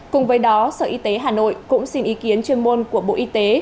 cùng với đó sở y tế hà nội cũng xin ý kiến chuyên môn của bộ y tế